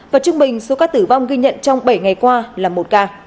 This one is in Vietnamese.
và trung bình số ca tử vong ghi nhận trong bảy ngày qua là một ca